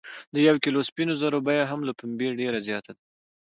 د یو کیلو سپینو زرو بیه هم له پنبې ډیره زیاته ده.